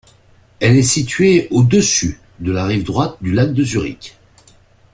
Elle est située au-dessus de la rive droite du lac de Zurich.